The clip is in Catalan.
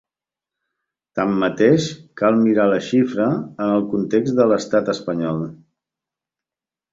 Tanmateix, cal mirar la xifra en el context de l’estat espanyol.